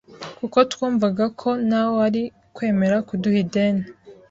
kuko twumvaga ko nta wari kwemera kuduha ideni.